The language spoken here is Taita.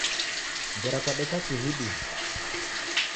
Ngera kwadeka kihi idime?